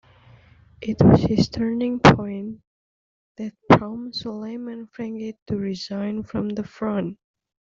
It was this turning point that prompted Suleiman Frangieh to resign from the Front.